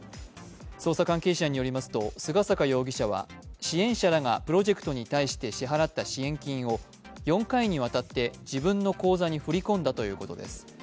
捜査関係者によりますと、菅坂容疑者は支援者が支払った支援金を４回にわたって自分の口座に振り込んだということです。